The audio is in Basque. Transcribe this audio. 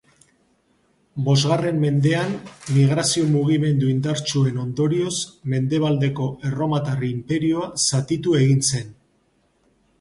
Bosgarren mendean, migrazio mugimendu indartsuen ondorioz, Mendebaldeko Erromatar Inperioa zatitu egin zen.